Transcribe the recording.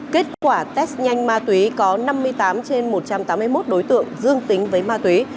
kết quả test nhanh ma túy có năm mươi tám trên một trăm tám mươi một đối tượng dương tính với ma túy